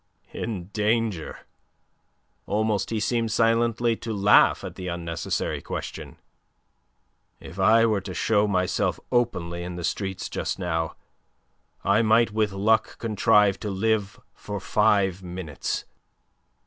"In danger?" Almost he seemed silently to laugh at the unnecessary question. "If I were to show myself openly in the streets just now, I might with luck contrive to live for five minutes!